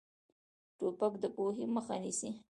توپک د پوهې مخه نیسي.